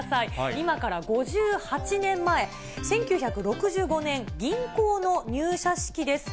今から５８年前、１９６５年、銀行の入社式です。